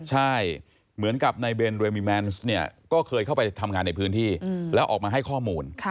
ใช่เหมือนกับนายเบนเรมิแมนซ์เนี่ยก็เคยเข้าไปทำงานในพื้นที่แล้วออกมาให้ข้อมูล